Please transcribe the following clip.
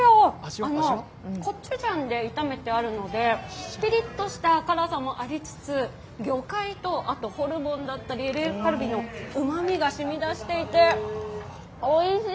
あの、コチュジャンで炒めてあるのでピリッとした辛さもありつつ魚介とホルモンだったりＬＡカルビのうまみがしみ出していて、おいしい！